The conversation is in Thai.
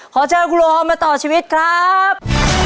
ขอเชิญคุณโอมมาต่อชีวิตครับ